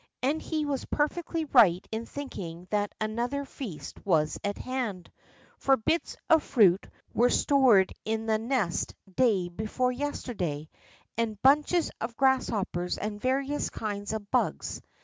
And he was perfectly right in thinking that another feast was at hand. For bits of fruit were 64 THE ROCK FROG stored in the nest day before yesterday, and bunches of grasshoppers and various kinds of bugs.